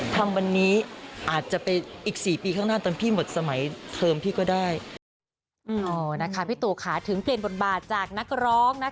ทำวันนี้อาจจะไปอีก๔ปีข้างหน้า